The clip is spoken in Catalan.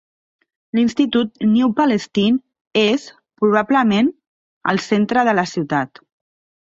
L'institut New Palestine és, probablement, el centre de la ciutat.